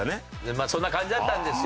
まあそんな感じだったんですよ。